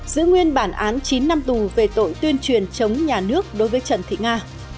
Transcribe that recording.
giữ nguyên bản án chín năm tù về tội tuyên truyền chống nhà nước đối với trần thị nga